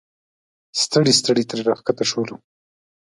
ستړي ستړي ترې راښکته شولو.